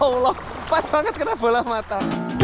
ya allah pas banget kena bola mata